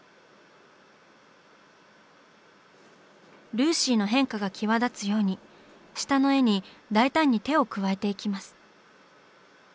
ルーシーの変化が際立つように下の絵に大胆に手を加えていきます。